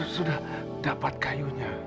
sudah dapat kayunya